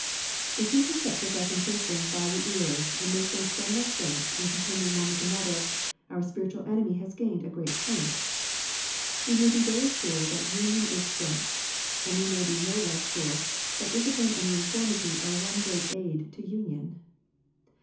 If he can set professing Christians by the ears, and make them spend their strength in contending one with another, our spiritual enemy has gained a great point. We may be very sure that union is strength, and we may be no less sure that discipline and uniformity are one great aid to union.